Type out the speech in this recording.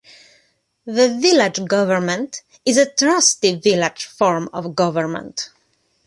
The village government is a Trustee-Village form of government.